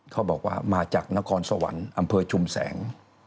เขาบอกว่ามาจากนครสวรรค์อำเภอชุมแสง